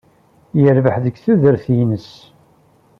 Yerbeḥ deg tudert-nnes.